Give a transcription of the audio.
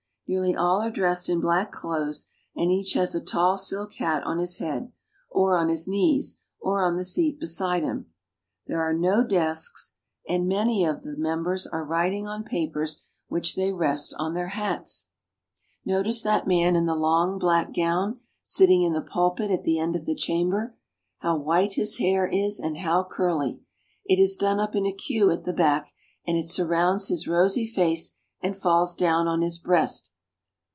Nearly all are dressed in black clothes, and each has a tall silk hat on his head, or on his knees, or on the seat beside him. There are no desks, and many of 8o ENGLAND. the members are writing on papers which they rest on their hats. Notice that man in the long black gown sitting in the pulpit at the end of the chamber. How white his hair is and how curly ; it is done up in a queue at the back, and it surrounds his rosy face and falls down on his breast.